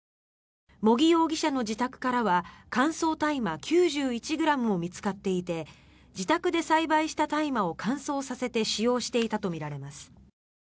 茂木容疑者の自宅からは乾燥大麻９１ｇも見つかっていて自宅で栽培した大麻を乾燥させて使用していたとみられています。